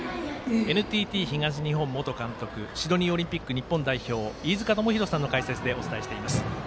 ＮＴＴ東日本元監督シドニーオリンピック日本代表、飯塚智広さんの解説でお伝えしています。